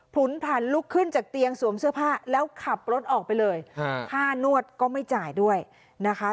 ผลุนผันลุกขึ้นจากเตียงสวมเสื้อผ้าแล้วขับรถออกไปเลยค่านวดก็ไม่จ่ายด้วยนะคะ